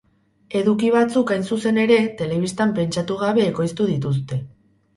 Eduki batzuk hain zuzen ere telebistan pentsatu gabe ekoiztu dituzte.